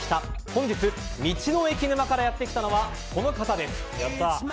本日道の駅沼からやってきたのはこの方です。